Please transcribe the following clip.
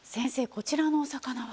こちらのお魚は？